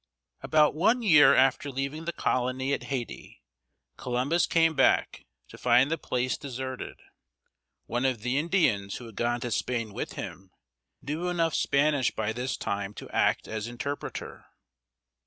About one year after leaving the colony at Haiti, Columbus came back, to find the place deserted. One of the Indians who had gone to Spain with him knew enough Spanish by this time to act as interpreter.